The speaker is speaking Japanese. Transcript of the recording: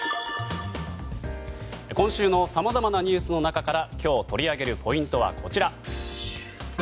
今週のさまざまなニュースの中から今日取り上げるポイントはこちら。